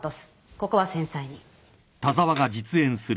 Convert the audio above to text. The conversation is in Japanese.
ここは繊細に。